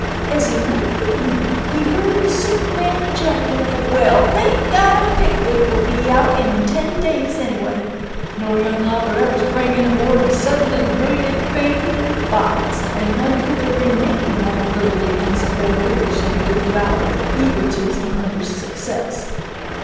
As he left the room he heard the sick man ejaculate: "Well thank God, Pickwick will be out in ten days, anyway!" No young author ever sprang into more sudden and brilliant fame than "Boz," and none could have remained more thoroughly unspoiled, or so devoid of egotism under success.